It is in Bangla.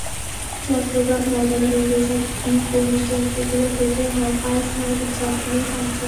চট্টগ্রাম নগরের অভিজাত বিপণিকেন্দ্রগুলো থেকে হকার্স মার্কেট—সবখানেই পাঞ্জাবির বিক্রি এখন জমজমাট।